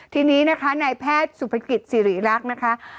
ทีนี้นะคะนายแพทย์สุภกิจสิริรักษ์นะคะ